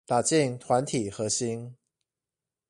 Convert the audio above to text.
打進團體核心